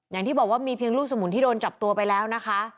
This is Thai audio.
อย่างที่บอกว่ามีเพียงลูกสมุนที่โดนจับตัวไปแล้วนะคะ